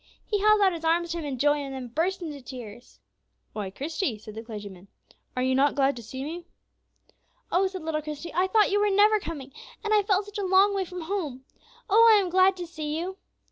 He held out his arms to him in joy, and then burst into tears. "Why, Christie," said the clergyman, "are you not glad to see me?" "Oh," said little Christie, "I thought you were never coming, and I felt such a long way from home! Oh, I am so glad to see you."